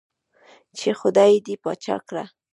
چې خدائے دې باچا کړه ـ